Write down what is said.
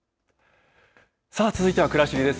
さあ、続いてはくらしりです。